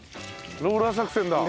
ローラー作戦だ。